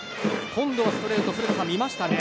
今度はストレート古田さん、見ましたね。